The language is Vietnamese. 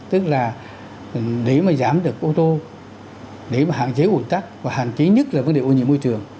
tức là để mà giảm được ô tô để mà hạn chế ủn tắc và hạn chế nhất là vấn đề ô nhiễm môi trường